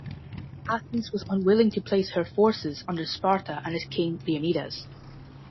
Athens was unwilling to place her forces under Sparta and its King Leonidas.